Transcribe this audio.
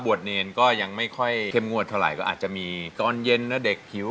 เนรก็ยังไม่ค่อยเข้มงวดเท่าไหร่ก็อาจจะมีตอนเย็นนะเด็กหิว